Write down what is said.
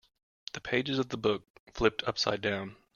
The pages of the book flipped upside down.